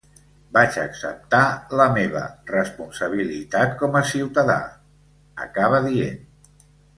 Vaig acceptar la meva responsabilitat com a ciutadà, acaba dient.